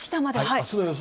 あすの予想